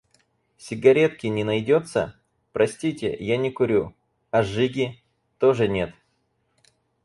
«Сигаретки не найдётся?» — «Простите, я не курю». — «А жиги?» — «Тоже нет».